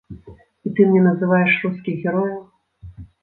І ты мне называеш рускіх герояў.